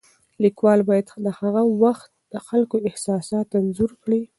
لیکوال باید د هغه وخت د خلکو احساسات انځور کړي.